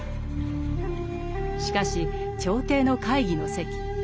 しかし朝廷の会議の席。